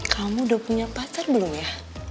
kamu udah punya pasar belum ya